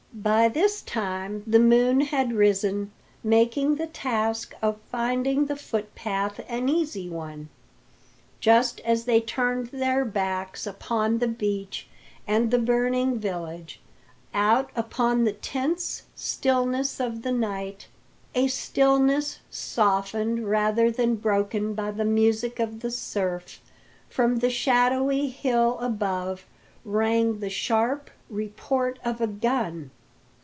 By this time the moon had risen, making the task of finding the footpath an easy one. Just as they turned their backs upon the beach and the burning village, out upon the tense stillness of the night a stillness softened rather than broken by the music of the surf from the shadowy hill above rang the sharp report of a gun.